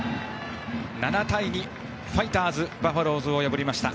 ７対２、ファイターズがバファローズを破りました。